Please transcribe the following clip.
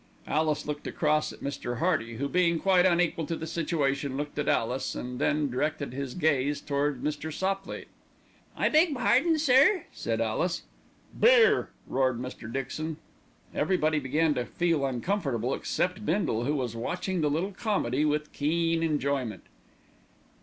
Alice looked across at Mr. Hearty, who, being quite unequal to the situation, looked at Alice, and then directed his gaze towards Mr. Sopley. "I beg pardon, sir?" said Alice. "Beer!" roared Mr. Dixon. Everybody began to feel uncomfortable except Bindle, who was watching the little comedy with keen enjoyment.